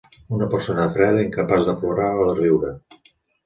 Una persona freda, incapaç de plorar o de riure.